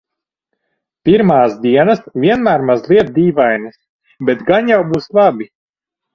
Pirmās dienas vienmēr mazliet dīvainas, bet gan jau būs labi.